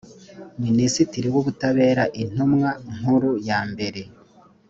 minisitiri w ubutabera intumwa nkuru yambere